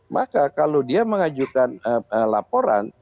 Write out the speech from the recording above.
maka kalau dia mengajukan laporan